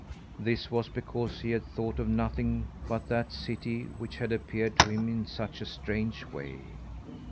This was because he had thought of nothing but that city which had appeared to him in such a strange way.